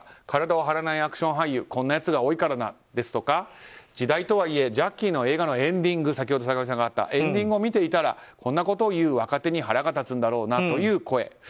体を張らないアクション俳優、こんなやつが多いからだですとか時代とはいえジャッキーの映画のエンディングを見ていたらこんなことを言う若手に腹が立つんだろうなという声。